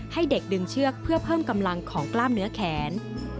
ให้เด็กดึงเชือกเพื่อเพิ่มกำลังของกล้ามเนื้อแขน